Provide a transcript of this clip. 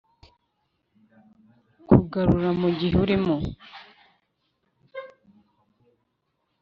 Kugarura mugihe urimo